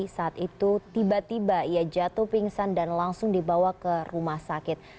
saat itu tiba tiba ia jatuh pingsan dan langsung dibawa ke rumah sakit